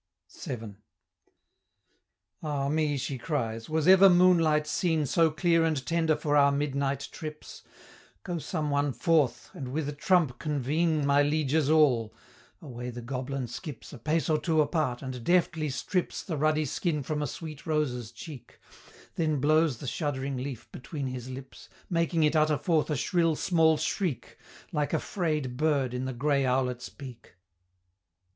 VII. "Ah me," she cries, "was ever moonlight seen So clear and tender for our midnight trips? Go some one forth, and with a trump convene My lieges all!" Away the goblin skips A pace or two apart, and deftly strips The ruddy skin from a sweet rose's cheek, Then blows the shuddering leaf between his lips, Making it utter forth a shrill small shriek, Like a fray'd bird in the gray owlet's beak.